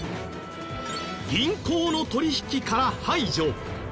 銀行の取引から排除。